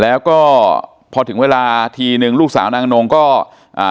แล้วก็พอถึงเวลาทีนึงลูกสาวนางอนงก็อ่า